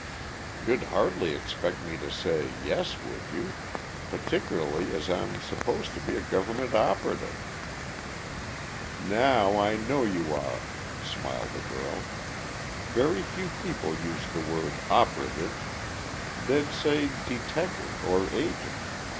"You'd hardly expect me to say 'Yes,' would you? Particularly as I am supposed to be a government operative." "Now I know you are," smiled the girl. "Very few people use the word 'operative.' They'd say 'detective' or 'agent.'